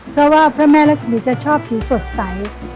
เพราะว่าพระแม่รักษมีจะชอบสีสดใส